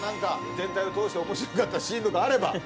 全体を通して面白かったシーンとかあれば。